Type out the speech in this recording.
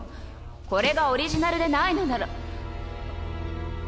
これがオリジナルでないのなら。